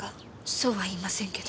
そうは言いませんけど。